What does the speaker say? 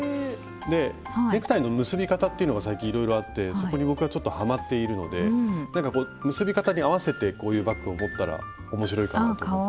でネクタイの結び方っていうのが最近いろいろあってそこに僕がちょっとハマっているのでなんかこう結び方に合わせてこういうバッグを持ったら面白いかなと思って。